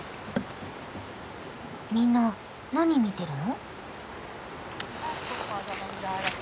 みんな何見てるの？